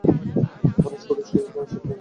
ওরা সুড়ুত সুড়ুত করে সব টেনে নিচ্ছে?